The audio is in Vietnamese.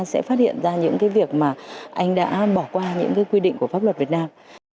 sẽ phát hiện ra những cái việc mà anh đã bỏ qua những quy định của pháp luật việt nam